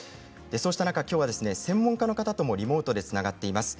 そうした中、きょうは専門家の方ともリモートでつながっています。